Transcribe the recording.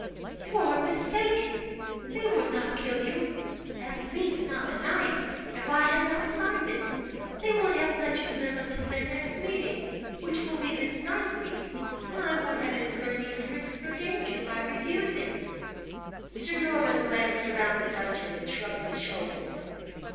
"You are mistaken! They would not kill you; at least, not tonight, if I had not signed it. They would have let you live until their next meeting, which will be this night week; and I would have incurred neither risk nor danger by refusing." Sir Norman glanced round the dungeon and shrugged his shoulders.